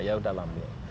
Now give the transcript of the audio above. ya udah lampunya